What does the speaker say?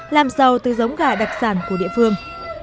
làm giàu từ giống gà đặc sản của địa phương